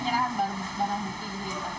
nptu untuk mem bois